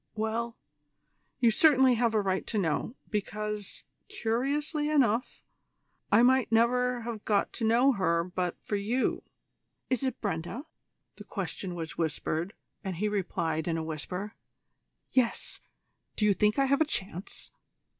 Well, you certainly have a right to know, because, curiously enough, I might never have got to know her but for you " "Is it Brenda?" The question was whispered, and he replied in a whisper: "Yes; do you think I have any chance?"